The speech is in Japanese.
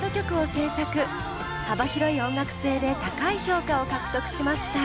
幅広い音楽性で高い評価を獲得しました。